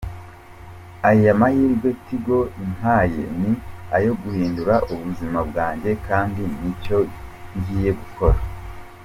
Aya mahirwe Tigo impaye ni ayo guhindura ubuzima bwanjye kandi ni cyo ngiye gukora.